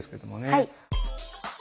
はい。